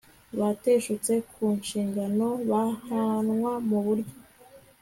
bateshutse ku nshingano bahanwa mu buryo